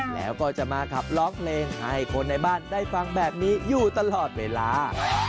แล้วก็จะมาขับร้องเพลงให้คนในบ้านได้ฟังแบบนี้อยู่ตลอดเวลา